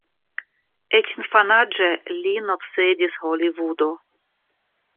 Eĉ infanaĝe lin obsedis Holivudo.